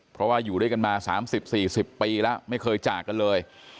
เพราะว่าอยู่ด้วยกันมา๓๐๔๐ปีแล้วไม่เคยจากกันเลย